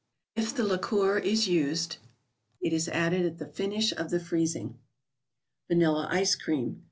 If the liqueur is used, it is added at the finish of the freezing. a&anUla 3icc=Cream.